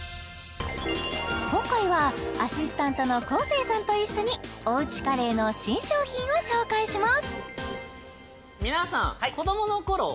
今回はアシスタントの昴生さんと一緒におうちカレーの新商品を紹介します